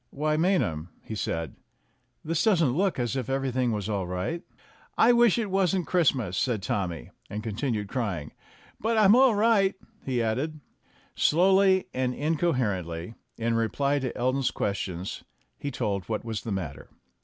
"Why, Maynham," he said, "this doesn't look as if everything was all right." "I wish it wasn't Christmas," said Tommy, and continued crying. "But I'm all right," he added. Slowly and incoherently, in reply to Elton's ques tions, he told what was the matter.